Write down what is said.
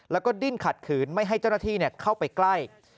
แล้วก็ดิ้นขัดขืนไม่ให้เจ้าหน้าที่เข้าไปใกล้